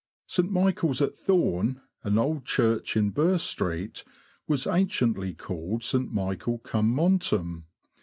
St. Michael's at Thorn, an old church in Ber Street, was anciently called St. Michael cum Montem.